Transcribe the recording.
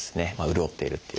潤っているっていう。